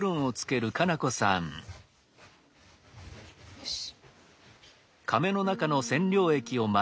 よし。